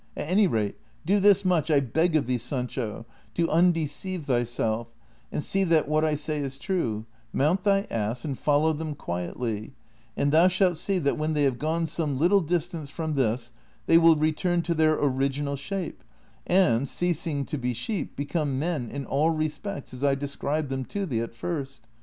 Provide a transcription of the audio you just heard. At any rate, do this much, I beg of thee, Sancho, to undeceive thyself, and see that what I say is true ; mount thy ass and follow them quietly, and thou shalt see that when they have gone some little distance from this they will return to their original shape and, ceasing to be sheep, become men in all respects as I described them to thee at first.